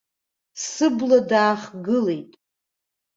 Сыбла даахгылеит.